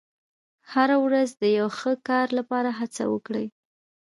• هره ورځ د یو ښه کار لپاره هڅه وکړه.